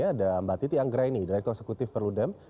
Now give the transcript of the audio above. ada mbak titi anggreni dari konsekutif perludem